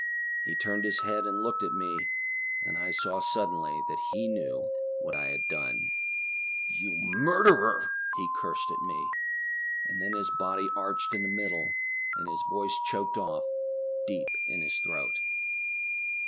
He turned his head and looked at me, and I saw suddenly that he knew what I had done. "You murderer!" he cursed me, and then his body arched in the middle and his voice choked off deep in his throat.